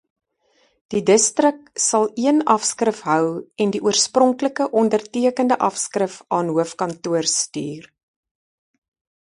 Die distrik sal een afskrif hou en die oorspronklike ondertekende afskrif aan hoofkantoor stuur.